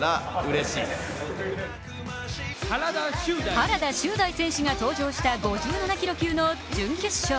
原田周大選手が登場した５７キロ級の準決勝。